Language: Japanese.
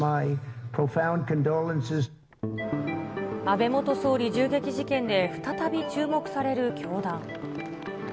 安倍元総理銃撃事件で、再び注目される教団。